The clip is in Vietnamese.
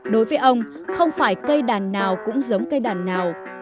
đối với ông không phải cây đàn nào cũng giống cây đàn nào